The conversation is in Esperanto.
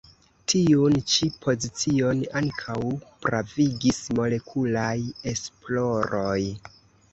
Tiun ĉi pozicion ankaŭ pravigis molekulaj esploroj.